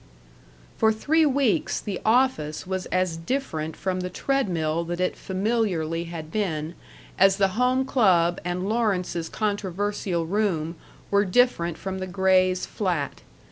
For three weeks the office was as different from the treadmill that it familiarly had been, as the Home Club and Lawrence's controversial room were different from the Grays' flat.